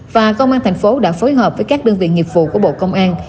và công an tp hcm đã phối hợp với các đơn vị nghiệp vụ của bộ công an